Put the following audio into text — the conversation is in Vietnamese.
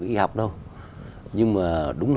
y học đâu nhưng mà đúng là